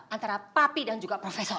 antara papi dan juga profesor